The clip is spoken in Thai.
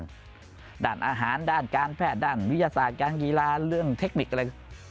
ด้านอาหารด้านการแพทย์ด้านวิทยาศาสตร์การกีฬาเรื่องเทคนิคอะไร